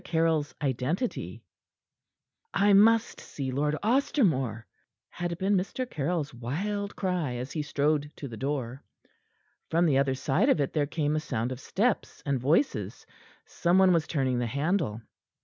CARYLL'S IDENTITY "I must see Lord Ostermore!" had been Mr. Caryll's wild cry, as he strode to the door. From the other side of it there came a sound of steps and voices. Some one was turning the handle.